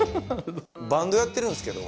バンドやってるんですけど。